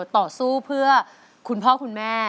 ต่อสู้เพื่อคุณพ่อคุณแม่